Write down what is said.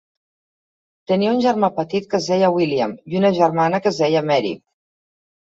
Tenia un germà petit que es deia William i una germana que es deia Mary.